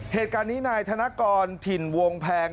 เหตุการณ์นี้นายธนกรถิ่นวงแพง